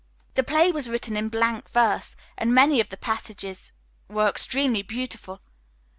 The play was written in blank verse, and many of the passages were extremely beautiful.